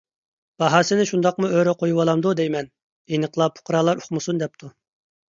باھاسىنى شۇنداقمۇ ئۆرە قويۇۋالامدۇ دەيمەن؟ ئېنىقلا پۇقرالار ئۇقمىسۇن دەپتۇ.